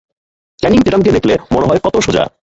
Channing Tatum কে দেখলে মনে হয় কত সোজা।